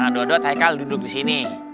dua dua taikal duduk di sini